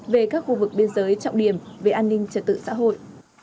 về các khu vực biên giới trọng điểm về an ninh trật tự xã hội